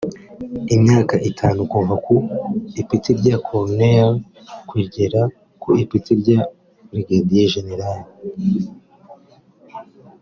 imyaka itanu kuva ku ipeti rya Koloneli kugera ku ipeti rya Burigadiye Jenerali